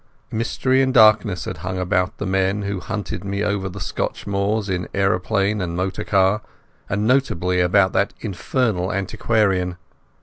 Mystery and darkness had hung about the men who hunted me over the Scotch moor in aeroplane and motor car, and notably about that infernal antiquarian.